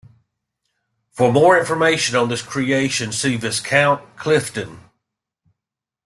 For more information on this creation, see Viscount Clifden.